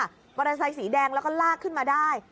มอเตอร์ไซสีแดงลากขึ้นมาได้